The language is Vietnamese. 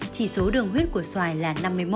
chỉ số đường huyết của xoài là năm mươi một